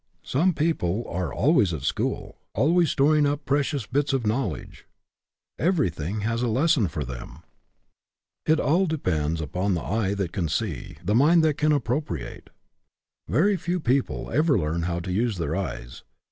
Some people are always at school, always storing up precious bits of knowledge. Everything has a ksson for them. It aU EDUCATION BY ABSORPTION 33 depends upon the eye that can see, the mind that can appropriate. Very few people ever learn how to use their eyes.